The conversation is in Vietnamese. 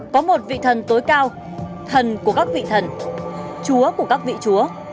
có một vị thần tối cao thần của các vị thần chúa của các vị chúa